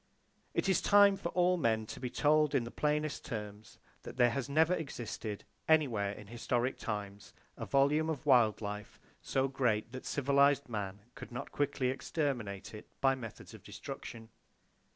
It is time for all men to be told in the plainest terms that there never has existed, anywhere in historic times, a volume of wild life so great that civilized man could not quickly exterminate it by his methods of [Page 6] destruction.